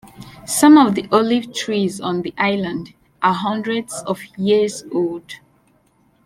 Some of the olive trees on the island are hundreds of years old.